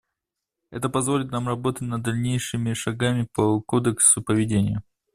Это позволит нам работать над дальнейшими шагами по кодексу поведения.